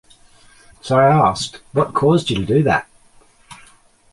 So I asked: what caused you to do that?